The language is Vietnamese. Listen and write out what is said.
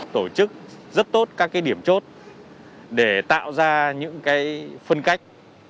tổ chức rất tốt các cái điểm chốt để tạo ra những cái phân cách